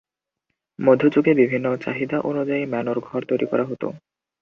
মধ্য যুগে বিভিন্ন চাহিদা অনুযায়ী ম্যানর ঘর তৈরি করা হত।